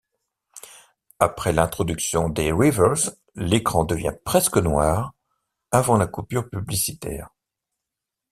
Après l'introduction des Reavers, l'écran devient presque noir avant la coupure publicitaire.